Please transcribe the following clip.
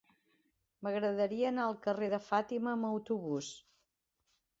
M'agradaria anar al carrer de Fàtima amb autobús.